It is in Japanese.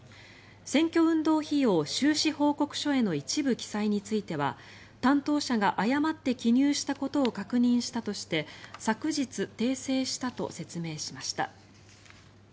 選挙運動費用収支報告書への一部記載については担当者が誤って記入したことを確認したとして昨日、訂正したと説明しました。